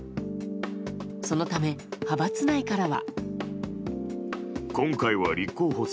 そのため派閥内からは。